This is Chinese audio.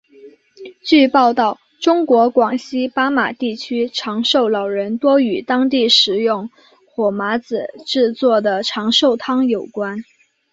据报道中国广西巴马地区长寿老人多与当地食用火麻子制作的长寿汤有关。